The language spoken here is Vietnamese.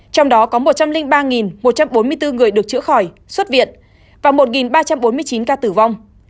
trong đó có một trăm linh ba một trăm bốn mươi bốn người được chữa khỏi xuất viện và một ba trăm bốn mươi chín ca tử vong